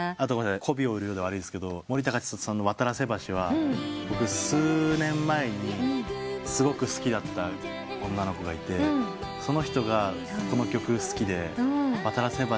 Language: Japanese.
こびを売るようで悪いんですが森高千里さんの『渡良瀬橋』は僕数年前にすごく好きだった女の子がいてその人がこの曲好きで『渡良瀬橋』めちゃくちゃ聴いてて。